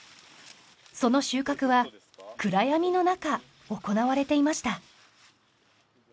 その収穫は暗闇のなか行われていました。